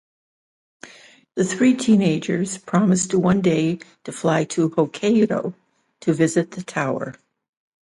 The three teenagers promise to one day fly to Hokkaido to visit the Tower.